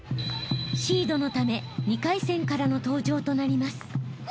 ［シードのため２回戦からの登場となります］